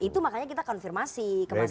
itu makanya kita konfirmasi ke mas jarod